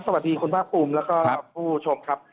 สวัสดีคุณภาคภูมิแล้วก็ผู้ชมครับ